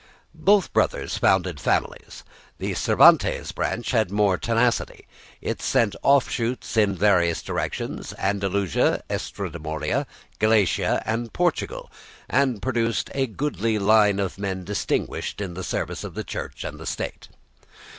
Both brothers founded families. The Cervantes branch had more tenacity; it sent offshoots in various directions, Andalusia, Estremadura, Galicia, and Portugal, and produced a goodly line of men distinguished in the service of Church and State.